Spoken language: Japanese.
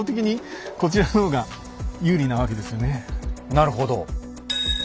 なるほど。